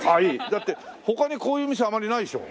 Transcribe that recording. だって他にこういう店あまりないでしょ？